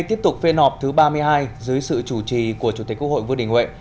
tiếp tục phê nọp thứ ba mươi hai dưới sự chủ trì của chủ tịch quốc hội vương đình huệ